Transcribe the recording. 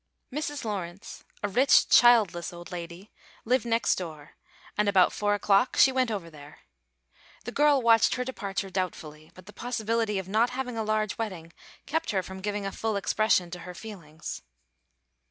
Mrs. Lawrence, a rich, childless old lady, lived next door, and about four o'clock she went over there. The girl watched her departure doubtfully, but the possibility of not having a large wedding kept her from giving a full expression to her feelings.